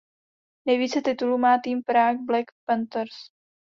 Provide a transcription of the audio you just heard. Nejvíce titulů má tým Prague Black Panthers.